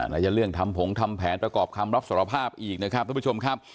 แล้วจะเรื่องทำผงทำแผนประกอบคำรับสารภาพอีกนะครับทุกผู้ชมครับ